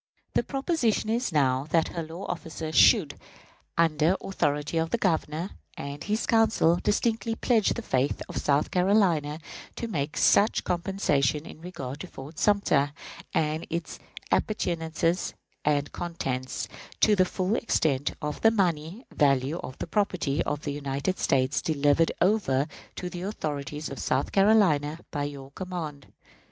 The proposition now is, that her law officer should, under authority of the Governor and his Council, distinctly pledge the faith of South Carolina to make such compensation in regard to Fort Sumter, and its appurtenances and contents, to the full extent of the money value of the property of the United States delivered over to the authorities of South Carolina by your command.